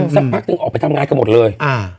สักพักหนึ่งออกไปทำงานกันหมดเลย